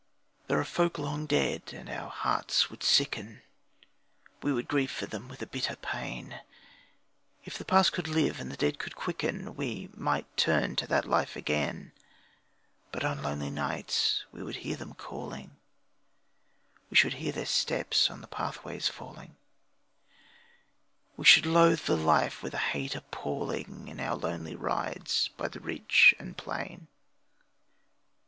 There are folk long dead, and our hearts would sicken We would grieve for them with a bitter pain, If the past could live and the dead could quicken, We then might turn to that life again. But on lonely nights we would hear them calling, We should hear their steps on the pathways falling, We should loathe the life with a hate appalling In our lonely rides by the ridge and plain.